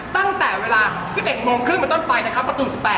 ตั้งแต่เวลา๑๑โมงครึ่งมาต้นไปประตู๑๘